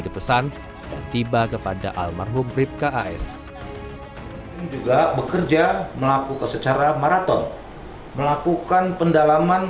dipesan dan tiba kepada almarhum bribka as juga bekerja melakukan secara maraton melakukan pendalaman